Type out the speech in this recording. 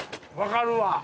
分かるわ。